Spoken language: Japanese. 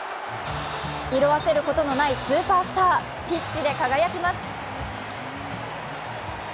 色あせることのないスーパースター、ピッチで輝きます